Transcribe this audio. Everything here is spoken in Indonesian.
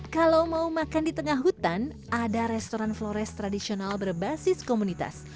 kalau mau makan di tengah hutan ada restoran flores tradisional berbasis komunitas